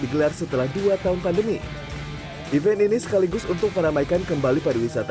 digelar setelah dua tahun pandemi event ini sekaligus untuk meramaikan kembali pariwisata